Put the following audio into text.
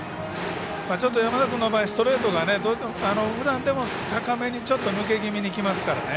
ちょっと山田君の場合はストレートがふだんでも高めに抜け気味にきますから。